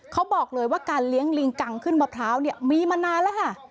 เขาบอกเลยว่าการเลี้ยงลิงกังขึ้นมะพร้าวเนี่ยมีมานานแล้วค่ะ